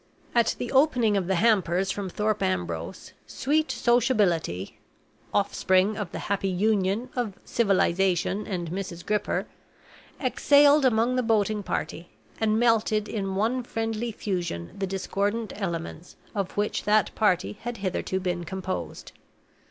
At the opening of the hampers from Thorpe Ambrose, sweet Sociability (offspring of the happy union of Civilization and Mrs. Gripper) exhaled among the boating party, and melted in one friendly fusion the discordant elements of which that party had hitherto been composed.